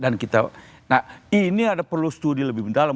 nah ini ada perlu studi lebih mendalam